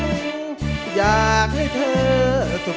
ไม่ใช้ครับไม่ใช้ครับ